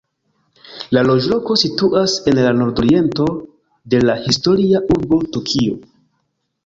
La loĝloko situas en la nordoriento de la historia urbo Tokio.